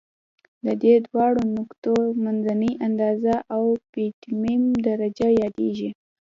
د دې دواړو نقطو منځنۍ اندازه اؤپټیمم درجه یادیږي.